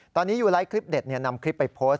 ตอนนี้ยูไลท์คลิปเด็ดนำคลิปไปโพสต์